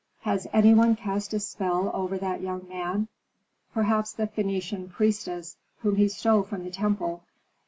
Has any one cast a spell over that young man? Perhaps the Phœnician priestess, whom he stole from the temple."